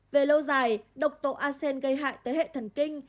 về lâu dài độc tố a sen gây hại tới hệ thần kinh